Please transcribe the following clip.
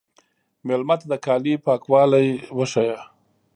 مېلمه ته د کالي پاکوالی وښیه.